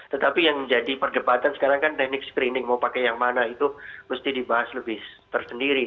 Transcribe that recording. tetapi yang jadi perdebatan sekarang kan teknik screening mau pakai yang mana itu mesti dibahas lebih tersendiri